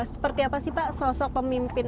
seperti apa sih pak sosok pemimpin